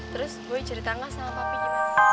terus boy ceritain gak sama papi gimana